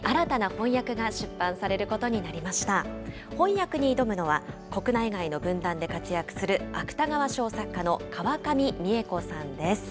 翻訳に挑むのは、国内外の文壇で活躍する芥川賞作家の川上未映子さんです。